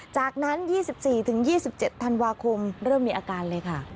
จากนั้น๒๔๒๗ธันวาคมเริ่มมีอาการเลยค่ะ